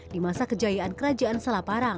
di masa kejayaan kerajaan selaparang